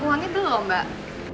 uangnya belum mbak